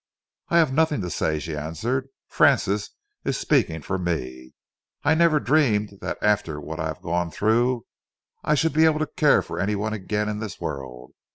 "I have nothing to say," she answered. "Francis is speaking for me. I never dreamed that after what I have gone through I should be able to care for any one again in this world.